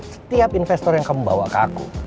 setiap investor yang kamu bawa ke aku